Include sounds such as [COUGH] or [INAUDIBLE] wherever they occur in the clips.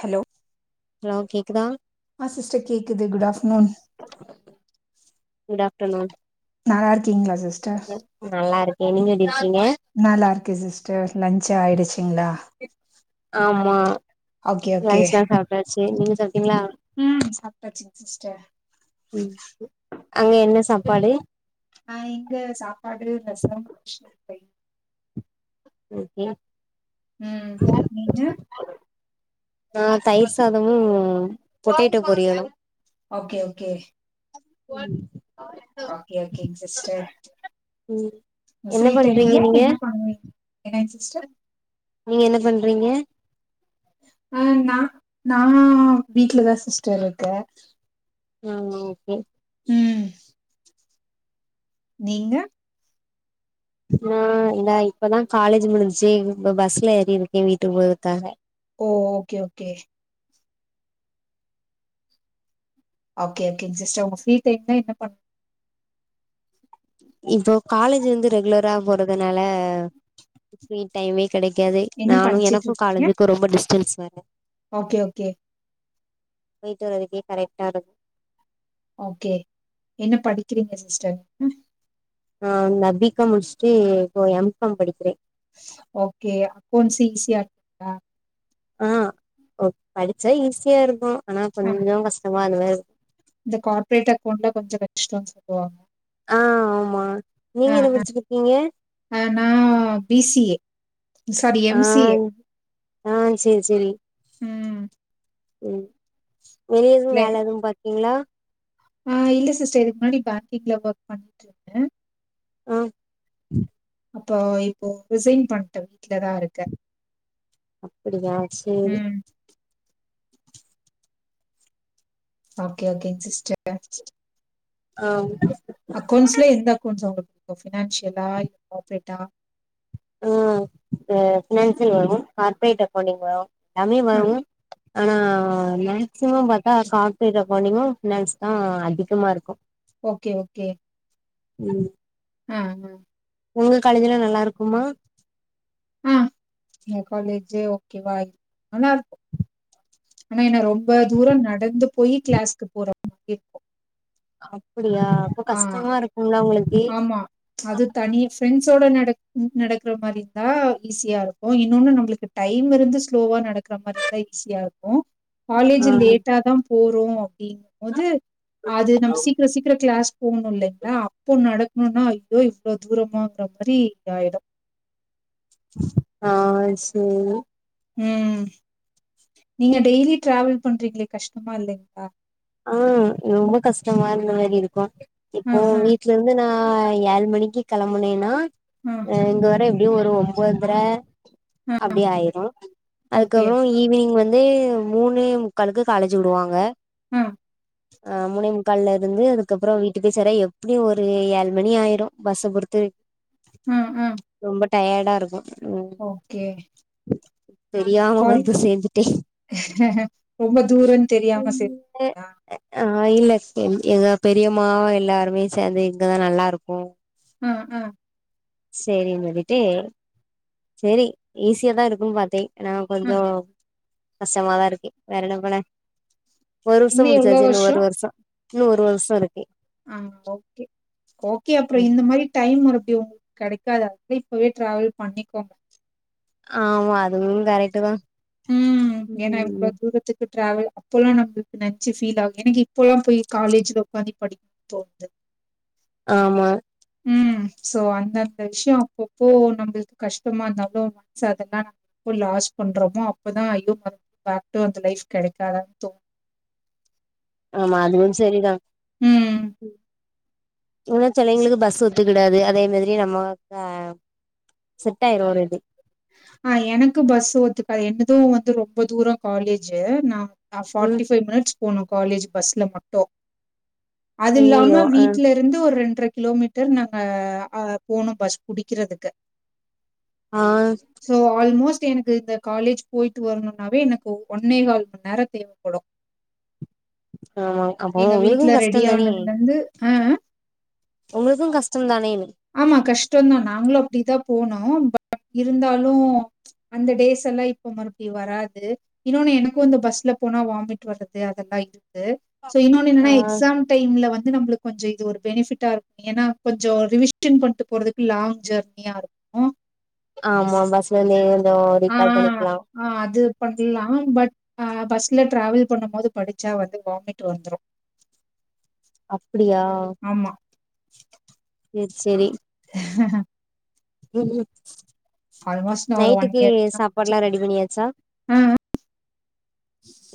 Hello hello கேக்குதா ஆ sister கேக்குது குட் ஆஃப்நூன் குட் ஆஃப்டர்நூன் நல்லாருக்கீங்ளா சிஸ் ஸ்டப் நல்லா இருக்கே நீங்க எப்டி இருக்கீங்க நல்லாருக்கே சிஸ்டர் லன்ச் ஆயிடுச் சிங்ளா ஆமா ஓகே ஓகே லஞ்சலா சாப்டாச்சு நீங்க சாப்டிங்ளா ம் சாப்ட்டாச்சுங்க சிஸ்டர் ம் அங்க என்ன சாப்பாடு ஆ இங்க சாப்பாடு ரசம் [UNINTELLIGIBLE] ஓகே உம் நீங்க நா தயிர் சாதமு பொட்டேட்டோ பொரியலு ஓகே ஓகே [UNINTELLIGIBLE] ஆக்கே ஓக்கேங் சிஸ்டர் உம் என்ன பண்றீங்க நீங்க என்னங் சிஸ்டர் நீங்க என்ன பண்றீங்க அ நா நா வீட்லதா சிஸ்டர் இருக்கே ஆ ஓகே ம் நீங்க நா எங்க இப்பதா காலேஜ் முடிஞ்ச்சி இப்ப பஸ்ல ஏறிருக்கே வீட்டுக்கு போவத்காக ஓ ஓகே ஓகே ஓகே ஓகேங் சிஸ்டர் உங்க ஃப்ரீ டைம்ல என்ன பண் இப்போ காலேஜூ வந்து ரெகுலரா போறதுனால ஃப்ரீ டைமேக் கெடைக்காது என்ன நானு படிச்சிட்டு எனக்கு இருக்கீங்க காலேஜுக்கு ரொம்ப டிஸ்டன்ஸ் வேற ஓகே ஓகே போயிட்டு வரதுக்கே கரெக்ட்டாருக் ஓகே என்ன படிக்கிறீங்க சிஸ்டர் ம் ஆ நா பி காம் முடிஸ்ட்டு இப்போ எம் காம் படிக்றே ஸ் ஓகே அக்கவுன்ட்ஸ் ஈசியாருக்கா ஆ ஒ படிச்சா ஈஸியாருக்கு ஆனா அ கொஞ்ச கஷ்டமா [UNINTELLIGIBLE] கொஞ்ச கஷ்டன் சொல்லுவாங்க ஆ ஆமா அ, நீங்க என்ன அ. படிச்சிருக்கீங்க அ நான் BCA sorry M C A ஆ சேரி சேரி ம் ம் வெளிய எதுவு இல்ல வேல எதுவ பாக்றீங்ளா ஆ இல்ல சிஸ்டர் இதுக்கு முன்னாடி பேக்கிங்ல ஒர்க் பண்ணிட்டு இருந்தே ஆ அப்போ இப்போ ரிசைன் பண்ணிட்டே வீட்லதா இருக்க அப்படியா செரி ம் ஓகே ஓகேன் சிஸ்டர் ஆஹ் அக்கௌண்ட்ஸ்ல எந்த அக்கௌண்ட்ஸ் உங்களுக்கு ஃபினான்ஷியலா கார்ப்ரேட்டா ஆ ஃபி ஃபினான்சியல் வரு கார்ப்ரேட் அக்கௌண்டிங் வரு எல்லாமே அ. வரு ஆனா மேக்சிமம் பாத்தா கார்ப்ரேட் அக்கவுண்டிங்கு ஃபினான்ஸ்தா அதிகமா இருக்கு ஓகே ஓகே ம் ஆ அது உங்க காலேஜ் எல்லா நல்லா இருக்குமா ஆ எ காலேஜே ஓகே வா நல்லா இருக்கு ஆனா என்ன ரொம்ப தூரோ நடந்து போயி கிளாஸ்க்கு போற மாரி இருக்கு அப்டியா அப்போ கஷ்டமா இருக்குள்ள உங்ளுக்கு ஃபிரண்ட்ஸ் ஓட நட நடக்கிற மாரி இருந்தா ஈஸியா இருக்கு இன்னோனு நம்மளுக்கு டைம் இருந்து ஸ்லோவா நட க்ககற மாரி இருந்தா ஈஸியா இருக்கு ஆ காலேஜ் லேட்டாதான் போறோ அப்டிங்கும்போது அது நம்ம சீக்கிரோ சீக்கிரோ கிளாஸ் போகணு இல்லைங்ளா அப்போ நடக்கணுனா அய்யோ இவ்ளோ தூரமாங்கிற மாரி இதாயிடு [INAUDIBLE] ஆ சேரி ம் நீங்க டெய்லி டிராவல் பண்றீங்ளே கஷ்டமா இல்லைங்ளா ஆ ரொம்ப கஷ்டமா இருந்த மாரி இருக்கு ஆ, இப்போ ஆ, வீட்ல இருந்து நா நா ஏழ் மணிக்கு கெளம்பனேனா ஆ. இங்க வர எப்டியு ஒரு ஒம்பதர அப்டி ஆயிரு ஓகே. அதுக்கப்பறோ ஈவ்னிங் வந் து மூணே முக்காளுக்கு காலேஜ் விடுவாங்க ஆ, மூணே முகால்ல இருந்து அதுக்கப்றோ வீட்டுக்கு சேர எப்டியு ஒரு ஏழ் மணி ஆயிரு பஸ்ஸ பொறுத்து ம் ம் ரொம்ப டயர்டா இருக்கு ம் ஓகே தெரியாம கொ வந்து சேந்துட்டே ரொம்ப தூரோனு தெரியாம சே [INAUDIBLE] ஆ இல்ல தோழி எங்க பெரியம்மா எல்லாருமே சேந்து இங்கதா நல்லா இருக்கு ம் ம் சேரின் சொல்லிட்டு சேரி ஈஸியாதா இருக்குன் பாத்தே ஏனா ஆ கொஞ்சோ கஷ்டமாதா இருக்கு வேற என்ன பண்ண ஒரு வருஷோ இன்னு எவ்ளோ முடிச்சாச்சு இன்னு ஒரு வருஷோ இன்னு ஒரு வருஷோ இரு ஆ ஓகே ஓகே அப்றோ இந்த மாரி டைம் மறுபடி உங்களுக்கு கெடை க்காது அப்டியே போய் டிராவல் பண்ணிக்கோங்க ஆமா அதுவும் கரெக்ட்டுதா ம் ஏனா இவ்ளோ தூரத்துக்கு ட்ராவல் அப்போல்லா நம்மளுக்கு நெனச்சு ஃபீல் ஆகு எனக்கு இப்போல்லா போய் காலேஜ்ல உக்காந்து படிக் தோணுது [INAUDIBLE] ஆமா ம் சோ அந்தந்த விஷ்யோ அப்பப்போ நம்மள்க்கு கஷ்டமா இருந்தா கூட மனசு அதெல்லா எப்போ லாஸ் பண்றமோ அப்பதா ஐயோ [INAUDIBLE] பேக் டூ அந்த லைஃப் கெடைக்காதான்னு தோணு [INAUDIBLE] ஆமா அதுவும் சரிதான் ம் இல்ல தோழி எங்களுக்கு பஸ் ஒத்துக்கிடாது அதே மாதிரி நம்ம க செட் ஆயிரு ஒரு இது அ எனக்கு பஸ் ஒத்துக்காது என்னது வந்து ரொம்ப தூரோ காலேஜி நா நா ம் ஃபாட்டி ஃபைவ் மினிட்ஸ் போனு காலேஜ் பஸ்ல மட்டு அது ஐயையோ இல்லாம ஆ வீட்ல இருந்து ஒரு ரெண் ஒன்ற கிலோமீட்டர் நாங்க அ போனோ பஸ் புடிக்கறதுக்கு ஆ சோ ஆல்மோஸ்ட் ஸ்டு எனக்கு இந்த காலேஜ் போயிட்டு வரணும்னாவே எனக்கு ஒ ஒன்னே கால் மணி நேரோ தேவப்படு ஆமா அப்போ எங்க உங்களுக்கு வீட்டுல கஷ்டோ தானே ரெடியானதுல இருந்து அ அ உங்களுக்கு கஷ்டோ தானே இன்ன ஆமா கஷ்டோ தா நாங்களு அப்டிதா போனோ பட் இருந்தாலு அந்த டேஸ் எல்லா இப்ப மறுபடியு வராது இன்னொன்னு எனக்கு அந்த பஸ்ல போனா வாமிட் வர்றது அதெல்லா இருக் குது சோ இன்னொன்னு என்னன்னா ஆ எக்ஸாம் டைம்ல வந் இது நம்மளுக்கு கொஞ்சோ இது ஒரு பெனிபிட்டா இருக்கும் ஏன்னா கொஞ்சோ ரிவிஷ் ஷன் பண்ணட்டு போறதுக்கு லாங் ஜெர்னியா இருக்கு ஆமா பஸ்லருந்து அ அ அது பண்ணலா பட் அ பஸ்ல டிரவல் பண்ணும் போது படிச்சா வந்து வாமிட் வந்துரு அப்படியா சேரி சேரி ம்ம் ஆல்மோஸ்ட் நான் ஒரு நைட்டுக்கு இயர் தான சாப்பாடுலா முடிச்சிருக்கேன். ரெடி பண்ணியாச்சா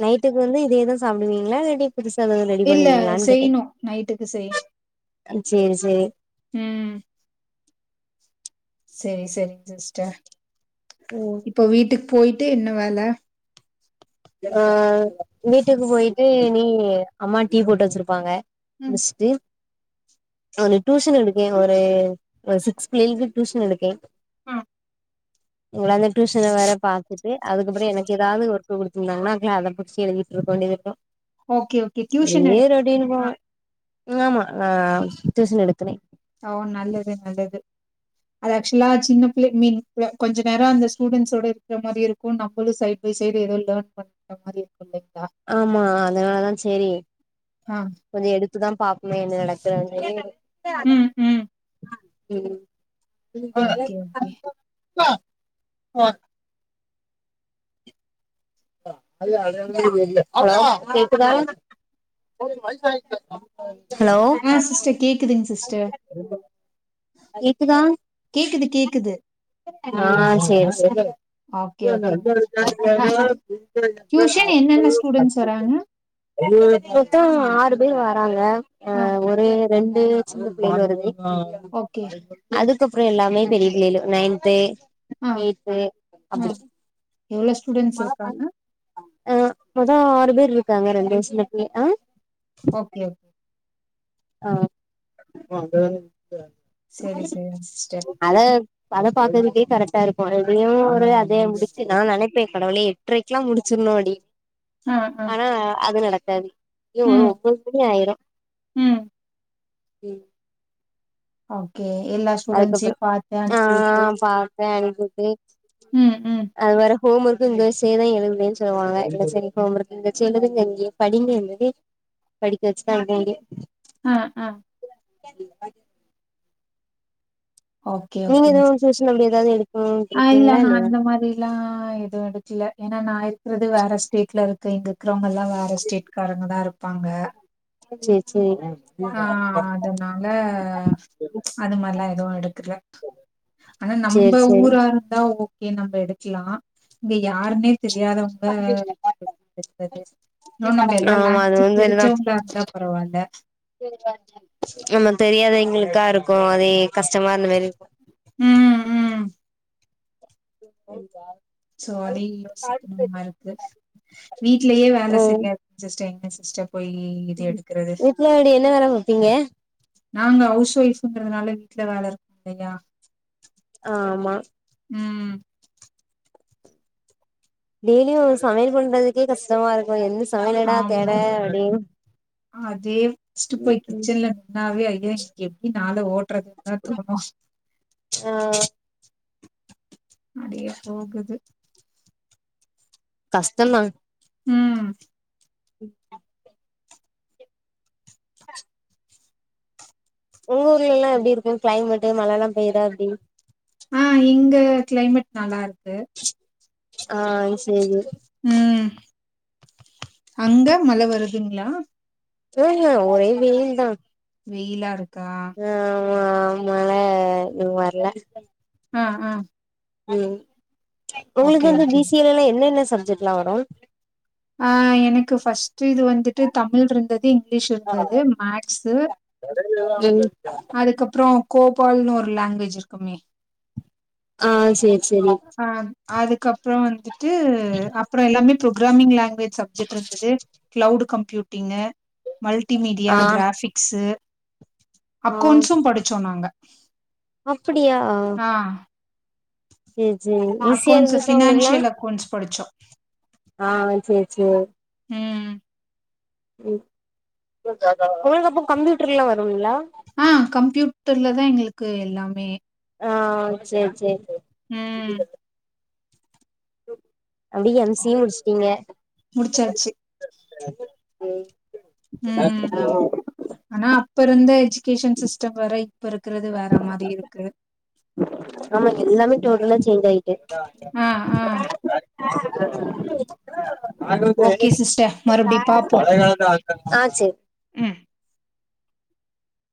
நைட்டுக்கு வந்து இதேதா சாப்பிடுவீங்களா எப்டி புதுசா எதாவது ரெடி இல்ல பண்ணுவீங்களான்னு கேட்டே செய்யணும். நைட்டுக்கு செய்யணும். சேரி சேரி ம் சேரி சேரி சிஸ்டர் இப்போ வீட்டுக்கு போயிட்டு என்ன வேல அ வீட்டுக்கு போயிட்டு இனி அம்மா டீ போட்டு வச்சிருப்பாங்க ம் முஸ்டு நா ஒரு டியூசன் எடுக்கே ஒரு சிக்ஸ் பிள்ளைகளுக்கு டியூஷன் எடுக்கே ஆ இவங்களால டியூசன் வேற பாத்துட்டு அதுக்கப்புறோ எனக்கு ஏதாவது ஒரு கு குடுத்திருந்தாங்கன்னா க அத புடிச்சி எழுதிட்டு இருக்கவேண்டி இருக்கு ஓகே ஓகே டியூஷன் அப்டியே எடுக் ரொட்டீன் போவே ஆமா நா டியூசன் எடுத்துனே ஓ நல்லது நல்லது அது ஆக்சுவலா சின்ன பிள்ள மீன் ல கொஞ்சோ நேரோ அந்த ஸ்டூடெண்ட்ஸோட இருக்குற மாரி இருக்கு நம்மளு சைட் பை சைட் சைடு ஏதோ லேன் பண்ணற மாதி இருக்கும் இல்லைங் ஆமா அதனாலதா சேரி ஆ கொஞ்சோ எடுத் எடுத்து தான் பாப்போமே என்ன நடக்குறது என்றதே ம் ம் ம் ஓகே ஓகே கேக்குதா மயச ஆ அ சிஸ்டர் கேக்குதுங்க சிஸ்டர் கேக்குதா கேக்குது கேக்குது ஆ சேரி சேரி இ ஓகே எ ஓகேங் சொ டியூஷன் என்னென்ன ஸ்டூடெண்ட்ஸ் வராங்க [UNINTELLIGIBLE] பொத்தா ஆறு பேர் வராங்க ஆ அஹ ஒரு ரெண்டு சின்ன பிள்ளலு வருது ஓகே அதுக்கப்றோ எல்லாமே பெரிய பிள்ளலு நைன்த்து ஆ எய்ட்த்து ஆ அப்டி எவ்ளோ ஸ்டூடெண்ஸ் இருக்காங்க ஆஹ் மொதம் ஆறு பேர் இருக்காங்க ரெண்டு வயசலக்கு ஆஹ் ஓகே ஓகே ஆஹ் செரி செரிங் சிஸ்டர் அத அத பாக்குறதுக்கே கரெக்டா இருக்கு எதையு ஒரு அதைய முடித்து நா நெனப் ப்ப கடவுளே எட்ரைக்கெலா முடிச்சிருணு அப்டி ஆ ஆ ஆனா அது நடக்காது ம் [UNINTELLIGIBLE] ஒப்பது மணி ஆயிரு ம். ம் ஓகே எல்லா ஸ்டூடண்ஸையு பாத்து அனுப்பி விட்டு க அனுப்சுட்டு ம், ம். அது வரு ஹோம் ஒர்க்கு இங்க வச்சே தா எழுதுவேனு சொல்லுவாங்க செரி செரி ஹோம் ஒர்க்கு இங்க வச்சு எழுங்க இங்கே படிங்கனு சொல்லி படிக்க வச்சுதா ஆணைங்க அஹ அஹ [INAUDIBLE] நீங்க எதுவும் டியூசன் அப்டி எதாவது எ ஆஹ் இல்ல நா அந்த மாரிலா எதுவு எடுக்கல ஏன்னா நா இ இருக்றது வேற ஸ்டேட்ல இருக்கு இங்க இருக்கிறவங்க எல்லா வேற ஸ்டேட்காரங்க தா இருப்பாங்க செரி செரி ஆஹ் அதனால அது மாரிலா எதுவு எடு க்ரைட் ஆனா சேரி நம்ம சேரி ஊரா இருந்தா ஓ கே நம்ம எடுக்லா இங்க யாருமே தெரியாதவங்க எக்றது ன்னு நம்ம எல்லா ஆமா அது லாங்வேஜும் தெரிஞ்சவங்களா இருந்தா பரவால ஆமா தெரியாத எங்களுக் க்கா இருக்கு அதே கஷ்டமா இருந்த மாதிருக்கு ம், ம். போவா சோரி யோசிக்கணுமா இருக்கு வீட்லேயே வேல செரியா இருக்கு சிஸ்டர் எங் சிஸ்டர் போய் இது ம் எடுக்கறது வீட்ல அப்டி என்ன வேல பாப்பீங்க நாங்க ஹவுஸ் ஒய்ஃப்ங்றதுனால வீட்ல வேல இருக்கு இல்லையா ஆ ஆமா ம் டெய்லியு சமையல் பண்றதுக்கே கஷ்டமா இருக்கு எந்த சமையல்டா தேட ஆமா அப்டின்னு அதே ஸ்ட்பே ம் போய் ம் கிச்சன்ல நின்னாவே ஐயா இன்னைக்கி எப்டி நாள ஓட்றதுன்னு தா தோணு அஹ அடியே போகுது கஷ்டோந்தா ம் ம் உங்க ஊர்லல்லா எப்டி இருக்கு கிளைமேட்டு் மழல்லா பெயுதா எப்டி ஆஹ் இங்க கிளைமேட் நல்லா இருக்கு ஆஹ் செரி ம் அங்க மழ வருதுங்களா ஆஹ் ஹ் ஒரே வெயில் தா வெயிலா இருக் ம் ஆமா மழ ம் வர்ல ஆ ஆ உம் உங்களுக்கு ஓகே வந்து ஓகே பி சி ஏ லல்லா என்னென்ன சப்ஜெட்லா வரு ஆ எனக்கு ஃபஸ்ட்டு இது வந்துட்டு தமிழ் இருந்தது இங்கிலீஷ் இருந்தது மேக்ஸு ம் அதுக்கப்றோ கோபால்ன் ஒரு லாங்குவேஜ் இருக்குமே ஆ சேரி சேரி அ அதுக்கப்றோ வந்துட்டு அப்றோ எல்லாமே ப்ரோக்ராமிங் லேங் குவேஜ் சப்ஜெக்ட் இருந்தது க்ளவுடு கம்ப்யூட்டிங்கு ஆ மல்டிமீடியா கிராபிக்ஸு அக்கோண்ட்ஸு படிச்சோ நாங்க அப்படியா ஆ சேர் சேரி ஈஸியா அக்கௌண்ட்ஸ் இருந்துச்சா உங்களுக்கெல்லா ஃபினான்சியல் அக்கௌண்ட்ஸ் படிச்சோ ஆ சேர் சே ம் ம் உங்களுக்கப்ப கம்ப்யூட்டர்லா வரும்ங்ளா க்கு எல்லாமே ஆ சேர் சேர் ம் அப்டியே எம் சி ஏ முடிச்சிட்டீங்க முடிச்சாச்சு அ ப்பிருந்த எஜுகேஷன் சிஸ்டம் வேற இப்பிருக்கறது வேற மாரி இருக்கு ஆமா எல்லாமே டோட்டல்லா சேஞ்ச் ஆயிட்டு ஆ ஆ ஓகே சிஸ்டர் மறுபடி பாப்போ ஆ சேர் ம்